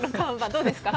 どうですか？